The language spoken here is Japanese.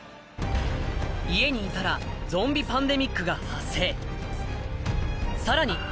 家にいたらゾンビ・パンデミックが発生。